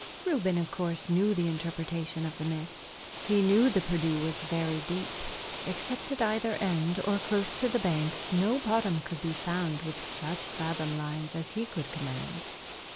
Reuben, of course, knew the interpretation of the myth. He knew the Perdu was very deep. Except at either end, or close to the banks, no bottom could be found with such fathom lines as he could command.